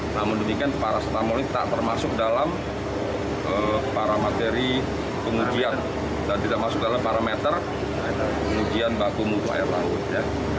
namun demikian paracetamol ini tak termasuk dalam para materi pengujian dan tidak masuk dalam parameter pengujian baku mutu air laut